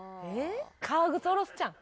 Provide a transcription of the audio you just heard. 「革靴おろす」ちゃうん？